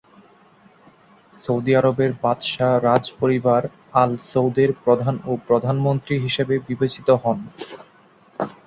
Saudi আরবের বাদশাহ রাজ পরিবার আল সৌদের প্রধান ও প্রধানমন্ত্রী হিসেবে বিবেচিত হন।